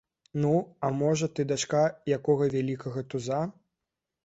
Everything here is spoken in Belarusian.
Ну, а можа, ты дачка якога вялікага туза?